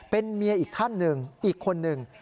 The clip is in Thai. เป็นเมียอีกท่านหนึ่งอีกคนหนึ่ง